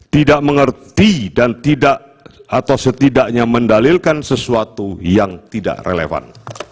tidak mengerti dan tidak atau setidaknya mendalilkan sesuatu yang tidak relevan